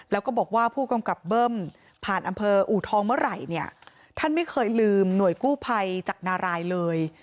แล้วก็บอกว่าผู้กำกับเบิ้มผ่านอำเภออูทองเมื่อไหร่เนี่ยท่านไม่เคยลืมหน่วยกู้ภัยจากนารายเลย